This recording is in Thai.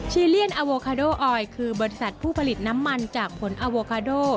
เลียนอโวคาโดออยคือบริษัทผู้ผลิตน้ำมันจากผลอโวคาโด